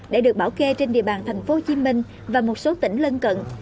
đã được bảo kê trên địa bàn thành phố hồ chí minh và một số tỉnh lân cận